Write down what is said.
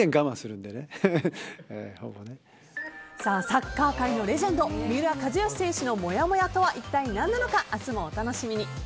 サッカー界のレジェンド三浦知良選手のもやもやとは一体何なのか明日もお楽しみに。